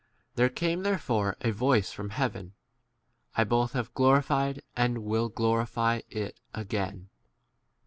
There came therefore a voice from heaven, I both have glorified and 29 will glorify [it] again.